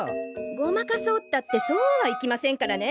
ごまかそうったってそうはいきませんからね。